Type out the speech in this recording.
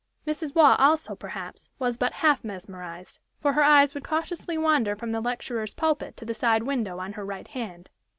Mrs. Waugh also, perhaps, was but half mesmerized, for her eyes would cautiously wander from the lecturer's pulpit to the side window on her right hand.